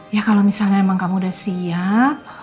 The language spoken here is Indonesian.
ya kalau misalnya emang kamu udah siap